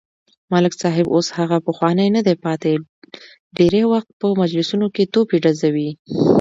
ملک صاحب اوس هغه پخوانی ندی پاتې، ډېری وخت په مجلسونو کې توپې ډزوي.